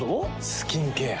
スキンケア。